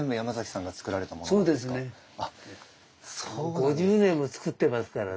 ５０年もつくってますからね。